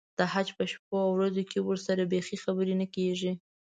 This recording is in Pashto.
د حج په شپو ورځو کې ورسره بیخي خبرې نه کېږي.